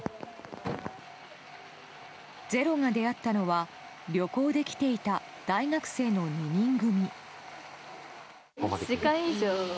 「ｚｅｒｏ」が出会ったのは旅行で来ていた大学生の２人組。